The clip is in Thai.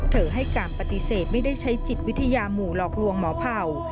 ให้การปฏิเสธไม่ได้ใช้จิตวิทยาหมู่หลอกลวงหมอเผ่า